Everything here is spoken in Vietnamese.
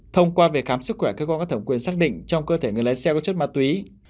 thông qua về khám sức khỏe cơ quan có thẩm quyền xác định trong cơ thể người lái xe có chất ma túy